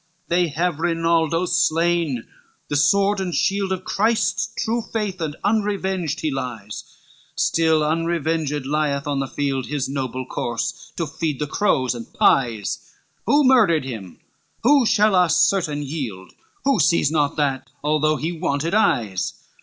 LXVII "They have Rinaldo slain, the sword and shield Of Christ's true faith, and unrevenged he lies; Still unrevenged lieth in the field His noble corpse to feed the crows and pies: Who murdered him? who shall us certain yield? Who sees not that, although he wanted eyes?